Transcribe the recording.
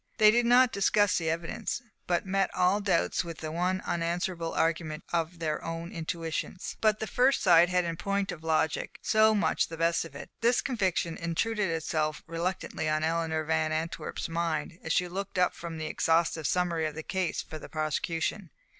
They did not discuss the evidence, but met all doubts with the one unanswerable argument of their own intuitions. But the first side had in point of logic, so much the best of it! This conviction intruded itself reluctantly on Eleanor Van Antwerp's mind, as she looked up from an exhaustive summary of the case for the prosecution.